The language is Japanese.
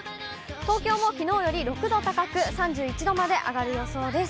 東京もきのうより６度高く、３１度まで上がる予想です。